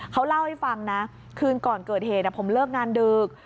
เขาเล่าให้ฟังนะคืนก่อนเกิดเหตุผมเลิกงานดึก